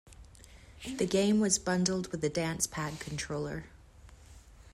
The game was bundled with the dance pad controller.